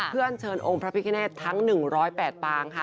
เพื่อเชิญองค์พระพิคเนตทั้ง๑๐๘ปางค่ะ